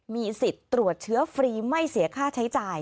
มีสิทธิ์ตรวจเชื้อฟรีไม่เสียค่าใช้จ่าย